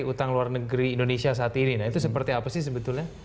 utang luar negeri indonesia saat ini nah itu seperti apa sih sebetulnya